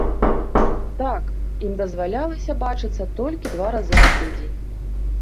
Так, ім дазвалялася бачыцца толькі два разы на тыдзень.